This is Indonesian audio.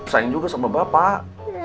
sayang juga sama bapak